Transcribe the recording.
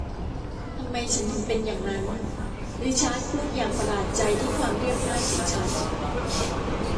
ทำไมฉันถึงเป็นอย่างนั้นริชาร์ดพูดอย่างประหลาดใจที่ความเรียบง่ายของฉัน